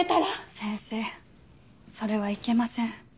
先生それはいけません。